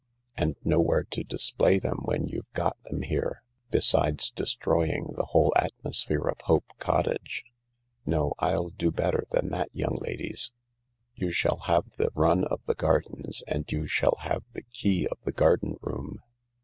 And nowhere to display them when you've got them here ; besides destroying the whole atmosphere of Hope Cottage. No, I'll do better than that, young ladies. You THE LARK shall have the run of the gardens and you shall have the key of the garden room.